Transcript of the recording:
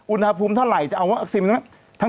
อุณหภูมิเท่าไรจะเอาวัคซีน